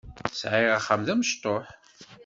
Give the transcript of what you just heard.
Sɛiɣ axxam d amecṭuḥ.